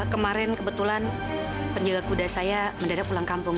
kemarin kebetulan penjaga kuda saya mendadak pulang kampung